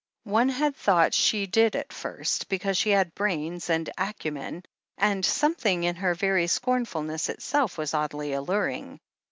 One had thought she did at first, because she had brains and acumen, and some thing in her very scomfulness itself was oddly alluring.